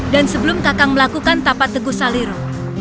dan sebelum kakang melakukan tapat teguh saliro